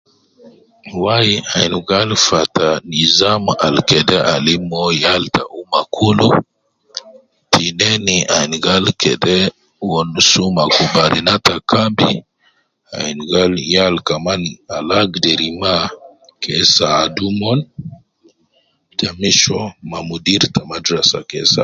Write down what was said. Wai ayin gal fata nizam al kede alim Mo yal ta umma kulu, tineni ayin gal kede wonus na bana ta kambi ayin gal yal kaman al agder ma ke saadu omon, ta misho ma mudir ta madrasa ke